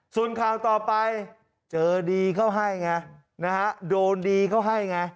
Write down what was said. ส่วนข่าวต่อไปเจอดีเข้าให้ไงนะฮะโดนดีเขาให้ไง